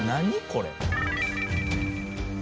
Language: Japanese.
これ。